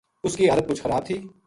اس کی حالت مُچ خراب تھی